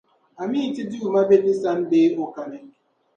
Amii Ti Duuma be ti sani bee o kani?